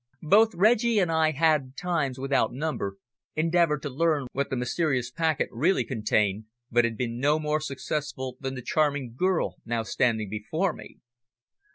Both Reggie and I had, times without number, endeavoured to learn what the mysterious packet really contained, but had been no more successful than the charming girl now standing before me.